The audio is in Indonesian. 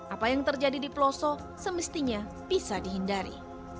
apa yang terjadi di pelosok semestinya bisa dihindari